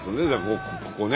ここね。